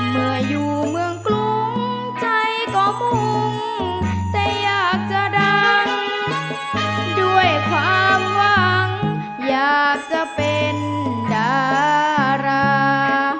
เมื่ออยู่เมืองกรุงใจก็มุ่งแต่อยากจะดังด้วยความหวังอยากจะเป็นดารา